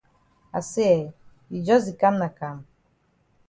I say eh, you jus di kam na kam?